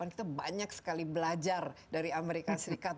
kita banyak sekali belajar dari amerika serikat